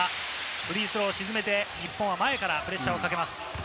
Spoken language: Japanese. フリースローを沈めて、日本は前からプレッシャーをかけます。